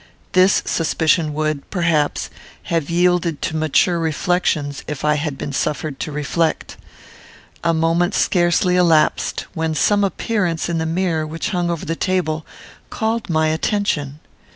This suspicion would, perhaps, have yielded to mature reflections, if I had been suffered to reflect. A moment scarcely elapsed, when some appearance in the mirror, which hung over the table, called my attention.